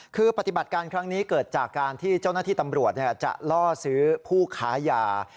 คือปฏิบัติการครั้งนี้เกิดจากการที่เจ้าหน้าที่ตำรวจจะล่อซื้อผู้ค้ายา